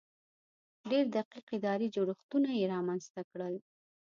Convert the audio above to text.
ډېر دقیق اداري جوړښتونه یې رامنځته کړل.